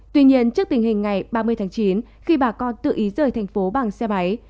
tuy nhiên trước tình hình ngày ba mươi tháng chín khi bà con tự ý rời thành phố bằng xe máy